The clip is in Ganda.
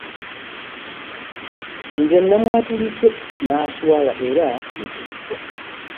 Nze namwatulidde n'aswala era ne kiggwa.